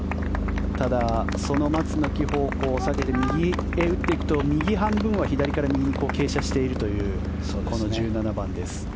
ただ、その松の木方向を避けて右へ打っていくと右半分は左から右に傾斜しているというこの１７番です。